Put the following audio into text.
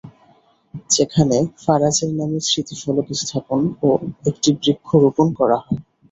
সেখানে ফারাজের নামে স্মৃতিফলক স্থাপন ও একটি বৃক্ষ রোপণ করা হয়।